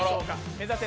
目指せ！